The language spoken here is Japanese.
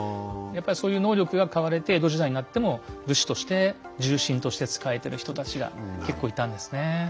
やっぱりそういう能力が買われて江戸時代になっても武士として重臣として仕えてる人たちが結構いたんですね。